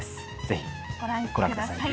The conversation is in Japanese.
ぜひご覧ください。